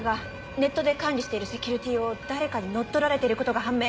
ネットで管理しているセキュリティーを誰かに乗っ取られてることが判明。